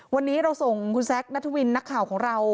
วันนี้เราส่งคุณแซคนัทวินนักข่าวของเรา